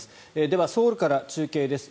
では、ソウルから中継です。